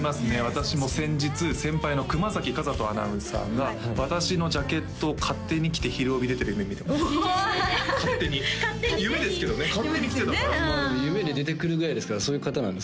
私も先日先輩の熊崎風斗アナウンサーが私のジャケットを勝手に着て「ひるおび」出てる夢見てました勝手に夢ですけどね勝手に着てたから夢に出てくるぐらいですからそういう方なんですか？